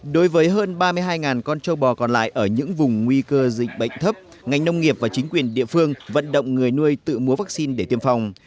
đối với hơn ba mươi hai con trâu bò còn lại ở những vùng nguy cơ dịch bệnh thấp ngành nông nghiệp và chính quyền địa phương vận động người nuôi tự mua vaccine để tiêm phòng